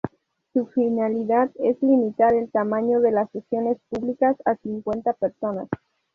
Su finalidad es limitar el tamaño de las sesiones públicas a cincuenta personas.